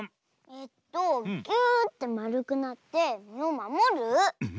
えっとギューッてまるくなってみをまもる？